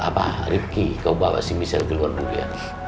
apa rikki kau bawa michelle keluar dulu ya